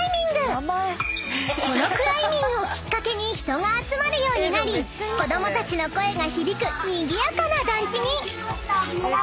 ［このクライミングをきっかけに人が集まるようになり子供たちの声が響くにぎやかな団地に］